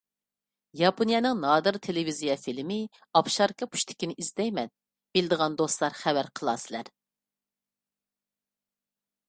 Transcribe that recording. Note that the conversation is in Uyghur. ياپونىيەنىڭ نادىر تېلېۋىزىيە فىلىمى «ئاپشاركا پۇشتىكى» نى ئىزدەيمەن. بىلىدىغان دوستلار خەۋەر قىلارسىلەر.